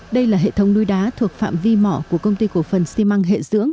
đây là hệ thống núi đá thuộc phạm vi mỏ của công ty cổ phần xi măng hệ dưỡng